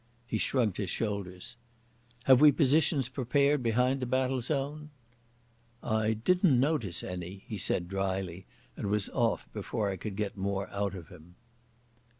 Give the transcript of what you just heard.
He shrugged his shoulders. "Have we positions prepared behind the battle zone?" "I didn't notice any," he said dryly, and was off before I could get more out of him.